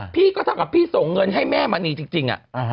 พี่ก็ถ้าเกิดพี่ส่งเงินให้แม่มะนีจริงอ่ะ